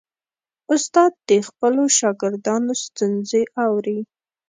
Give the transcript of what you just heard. استاد د خپلو شاګردانو ستونزې اوري.